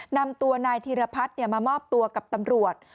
นำตัวนายธีรพัฒน์มามอบตัวกับตำรวจ